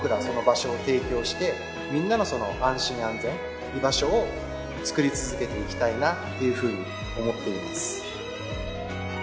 みんなのその安心安全居場所を作り続けていきたいなっていうふうに思っています。